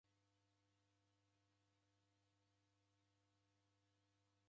Waw'eobua kuenda ueka choronyi.